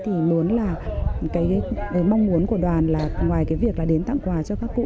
thì muốn là cái mong muốn của đoàn là ngoài cái việc là đến tặng quà cho các cụ